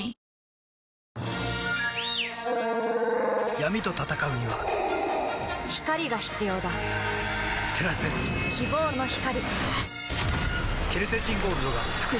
闇と闘うには光が必要だ照らせ希望の光